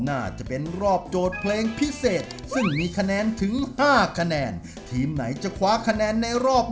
น้องทั้ง๒ทีมด้วยนะครับ